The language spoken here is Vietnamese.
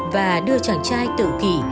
và đưa chàng trai tự kỷ